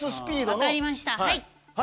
分かりましたはい。